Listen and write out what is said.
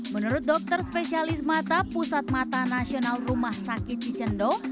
menurut dokter spesialis mata pusat mata nasional rumah sakit cicendo